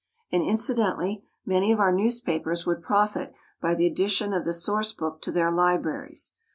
And, incidentally, many of our newspapers would profit by the addition of the Source Book to their libraries.